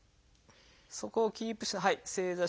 そこをキープして正座していく。